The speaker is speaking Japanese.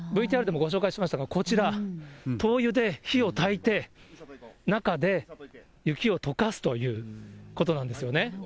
ＶＴＲでもご紹介しましたが、こちら、灯油で火をたいて、中で雪をとかすということなんですよ